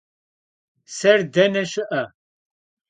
Ser dene şı'e?